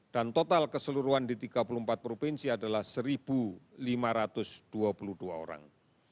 dan total keseluruhan di tiga puluh empat provinsi adalah satu lima ratus dua puluh dua orang